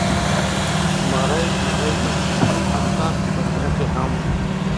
زمری زمری پاتې کیږي، حتی په پنجره کې هم.